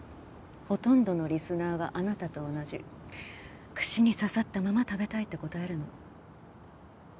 ほとんどのリスナーがあなたと同じ串に刺さったまま食べたいって答えるの。